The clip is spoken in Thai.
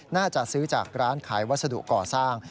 น่าจะซื้อจากร้านขายวัสดุก่อสร้าง